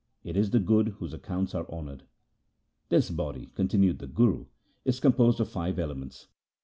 It is the good whose accounts are honoured. ' This body ', continued the Guru, ' is composed of five elements.